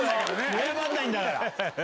謝らないんだから。